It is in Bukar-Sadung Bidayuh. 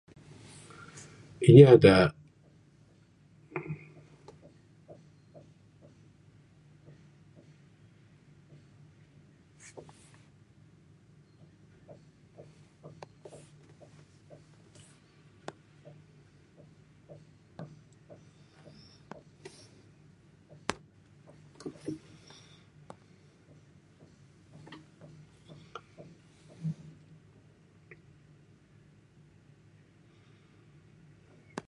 Inya da...